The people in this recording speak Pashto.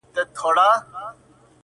• دوى به يو پر بل كوله گوزارونه,